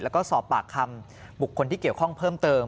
แล้วก็สอบปากคำบุคคลที่เกี่ยวข้องเพิ่มเติม